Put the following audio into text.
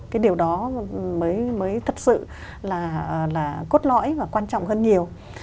cái điều đó mới thật sự là cốt lõi và quan trọng hơn nhiều